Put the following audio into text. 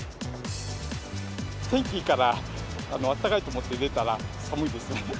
天気いいから、暖かいと思って出たら、寒いですね。